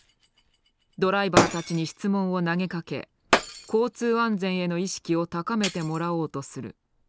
ドライバーたちに質問を投げかけ交通安全への意識を高めてもらおうとする。